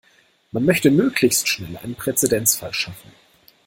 Man möchte möglichst schnell einen Präzedenzfall schaffen.